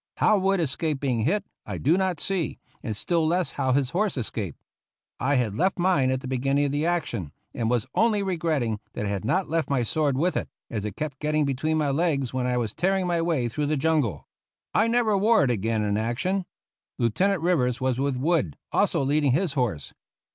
How Wood escaped being hit, I do not see, and still less how his horse escaped. I had left mine at the begin ning of the action, and was only regretting that I had not left my sword with it, as it kept getting between my legs when I was tearing my way through the jungle. I never wore it again in action. Lieutenant Rivers was with Wood, also leading his horse.